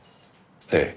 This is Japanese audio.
ええ。